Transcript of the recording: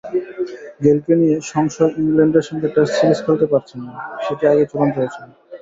গেইলকে নিয়ে সংশয়ইংল্যান্ডের সঙ্গে test series খেলতে পারছেন না, সেটি আগেই চূড়ান্ত হয়েছিল।